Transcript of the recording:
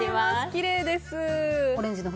きれいです。